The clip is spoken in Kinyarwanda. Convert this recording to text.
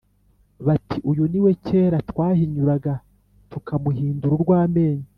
bati «Uyu ni we kera twahinyuraga tukamuhindura urw’amenyo!